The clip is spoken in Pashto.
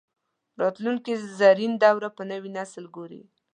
راتلونکي زرین دور به نوی نسل ګوري